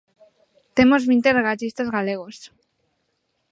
Temos vinte regatistas galegos.